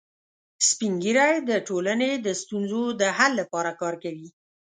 سپین ږیری د ټولنې د ستونزو د حل لپاره کار کوي